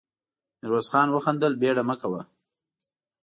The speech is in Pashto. ميرويس خان وخندل: بېړه مه کوه.